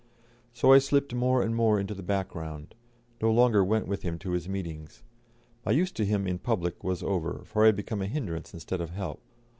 So I slipped more and more into the background, no longer went with him to his meetings; my use to him in public was over, for I had become hindrance instead of help.